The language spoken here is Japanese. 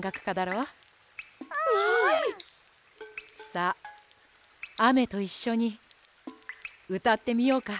さああめといっしょにうたってみようか。